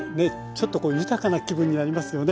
ちょっと豊かな気分になりますよね。